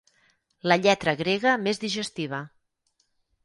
La lletra grega més digestiva.